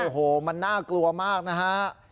โอ้โหมันน่ากลัวมากนะฮะ